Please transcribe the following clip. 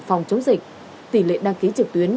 phòng chống dịch tỷ lệ đăng ký trực tuyến